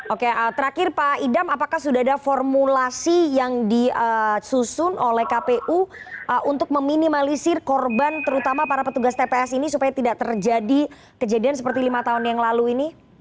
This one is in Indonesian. oke terakhir pak idam apakah sudah ada formulasi yang disusun oleh kpu untuk meminimalisir korban terutama para petugas tps ini supaya tidak terjadi kejadian seperti lima tahun yang lalu ini